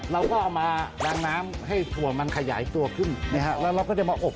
เราก็ออกมาล้างน้ำให้ถั่วมันขยายตัวค่ะเราไปมาอบ